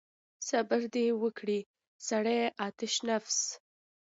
صبر دې وکړي سړی آتش نفس.